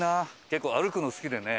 結構歩くの好きでね。